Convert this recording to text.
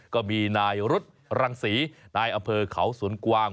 ก็มีนายรุษรังศรีนายอำเภอเขาสวนกวาง